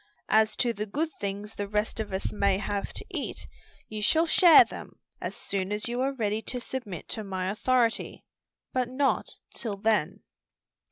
"As to the good things the rest of us may have to eat, you shall share them as soon as you are ready to submit to my authority, but not till then."